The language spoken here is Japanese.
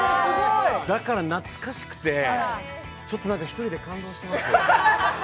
だから懐かしくて、ちょっと１人で感動してます。